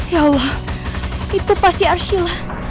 ya allah itu pasti arshila